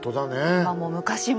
今も昔も。